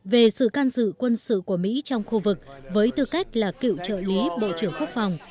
về sự can dự quân sự của mỹ trong khu vực với tư cách là cựu trợ lý bộ trưởng quốc phòng